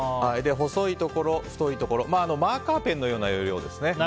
細いところ、太いところマーカーペンのような要領ですね。